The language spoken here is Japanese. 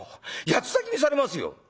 八つ裂きにされますよ！」。